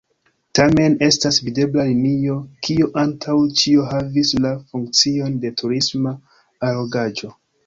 Tamen estas videbla linio, kio antaŭ ĉio havas la funkcion de turisma allogaĵo.